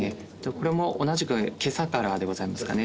これも同じく、けさからでございますかね？